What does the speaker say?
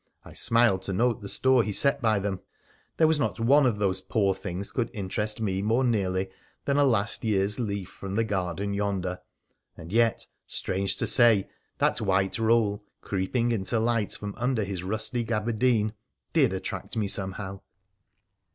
I smiled to note the store he set by them : there was not one of those poor things could interest me more nearly than a last year's leaf from the garden yonder— and yet, strange to say, that white roll, creeping into light from under his rusty gaberdine, did attract me somehow.